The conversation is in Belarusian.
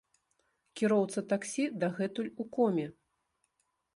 Кіроўца таксі дагэтуль у коме.